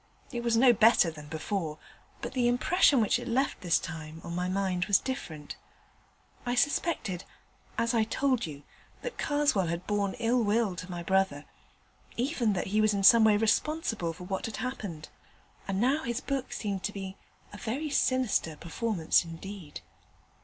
It was no better than before, but the impression which it left this time on my mind was different. I suspected as I told you that Karswell had borne ill will to my brother, even that he was in some way responsible for what had happened; and now his book seemed to me to be a very sinister performance indeed.